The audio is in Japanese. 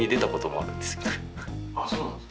あっそうなんですか？